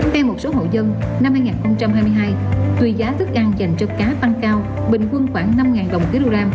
theo một số hậu dân năm hai nghìn hai mươi hai tùy giá thức ăn dành cho cá phanh cao bình quân khoảng năm đồng kg